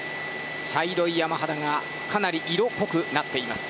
茶色い山肌がかなり色濃くなっています。